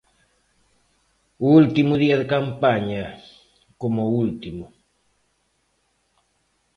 O último día de campaña, coma o último.